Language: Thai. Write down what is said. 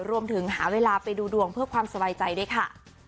รวมถึงหาเวลาไปดูดวงเพื่อความสบายใจด้วยค่ะ